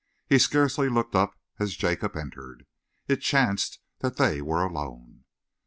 He scarcely looked up as Jacob entered. It chanced that they were alone.